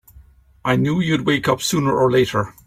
I knew you'd wake up sooner or later!